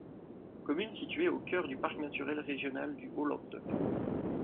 Commune située au cœur du parc naturel régional du Haut-Languedoc.